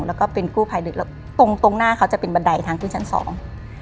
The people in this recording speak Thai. แล้วก็เป็นกู้ภัยดึกแล้วตรงตรงหน้าเขาจะเป็นบันไดทางขึ้นชั้นสอง